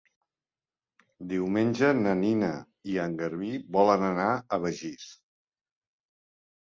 Diumenge na Nina i en Garbí volen anar a Begís.